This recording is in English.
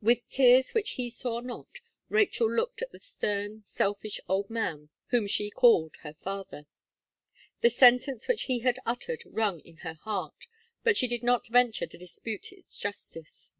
With tears which he saw not, Rachel looked at the stern, selfish old man, whom she called her father. The sentence which he had uttered, rung in her heart; but she did not venture to dispute its justice.